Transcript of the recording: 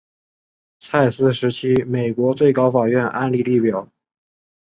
蔡斯时期美国最高法院案例列表